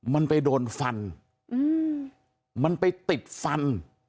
มันไปโดนฟันมันไปติดฟัน